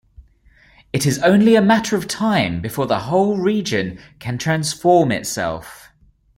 It is only a matter of time before the whole region can transform itself.